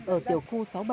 ở tiểu khu sáu mươi bảy